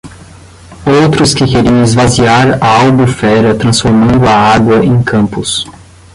Outros que queriam esvaziar a Albufera transformando a água em campos!